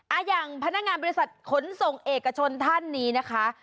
อย่างพนักงานบริษัทขนส่งเอกชนท่านนี้นะคะ